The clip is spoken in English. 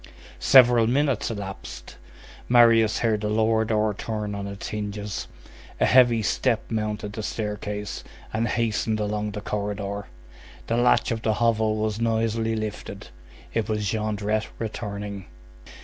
Several minutes elapsed. Marius heard the lower door turn on its hinges; a heavy step mounted the staircase, and hastened along the corridor; the latch of the hovel was noisily lifted; it was Jondrette returning.